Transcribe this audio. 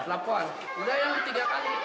lapon sudah yang ketiga kali